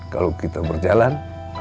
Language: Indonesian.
kalau kita berjalan